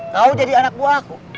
kau jadi anak buah aku